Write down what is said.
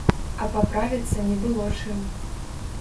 А паправіцца не было чым.